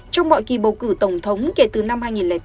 trong mọi kỳ bầu cử tổng thống kể từ năm hai nghìn tám